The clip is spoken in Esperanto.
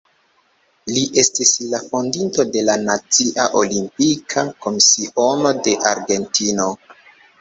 Li estis la fondinto de la Nacia Olimpika Komisiono de Argentino.